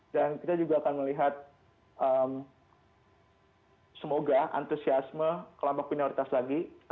kita juga akan melihat semoga antusiasme kelompok minoritas lagi